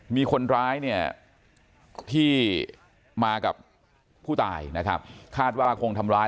มีคนร้ายที่มากับภูตายนะครับคาดว่าว่าคงทำร้าย